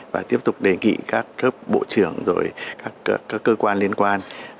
và tiếp tục đề nghị các cấp bộ trưởng rồi các cơ quan liên quan